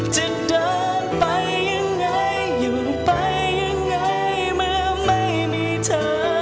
จะเดินไปยังไงอยู่ไปยังไงเมื่อไม่มีเธอ